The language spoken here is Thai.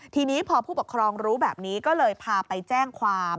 ทีนี้พอผู้ปกครองรู้แบบนี้ก็เลยพาไปแจ้งความ